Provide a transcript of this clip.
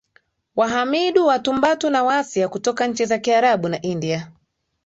Wahamidu watumbatuna na waasia kutoka nchi za kiarabu na India